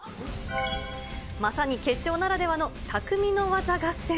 まさに決勝ならではのたくみの技合戦。